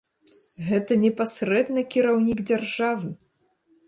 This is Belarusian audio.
Гэта непасрэдна кіраўнік дзяржавы!